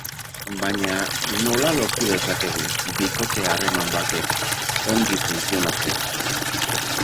Baina nola lortu dezakegu bikote-harreman batek ongi funtzionatzea?